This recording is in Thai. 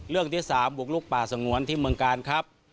เรื่องที่๓บุกลุกป่าสงวนที่เมืองกาลครับ